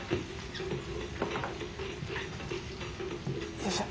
よいしょ。